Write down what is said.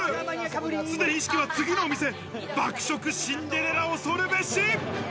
すでに意識は次のお店、爆食シンデレラ恐るべし。